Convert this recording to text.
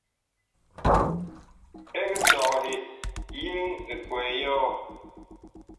Eg sɔghe yeŋ ekwɛɛ yɔɔ ?